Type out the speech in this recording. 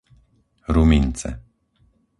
Rumince